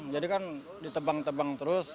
jadi kan ditebang tebang terus